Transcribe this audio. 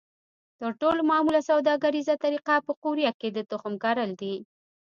تر ټولو معموله سوداګریزه طریقه په قوریه کې د تخم کرل دي.